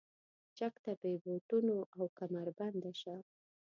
چک ته بې بوټونو او کمربنده شه.